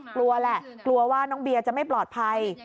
กลัวแหละกลัวว่าน้องเบียร์จะไม่ปลอดภัย